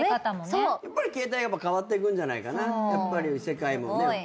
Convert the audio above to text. やっぱり形態は変わっていくんじゃないかな。